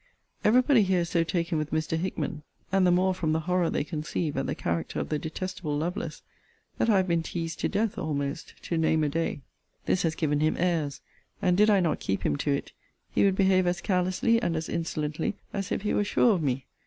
Every body here is so taken with Mr. Hickman (and the more from the horror they conceive at the character of the detestable Lovelace,) that I have been teased to death almost to name a day. This has given him airs: and, did I not keep him to it, he would behave as carelessly and as insolently as if he were sure of me.